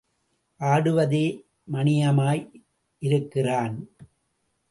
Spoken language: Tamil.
ஆடுவதே மணியமாய் இருக்கிறான்.